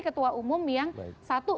ketua umum yang satu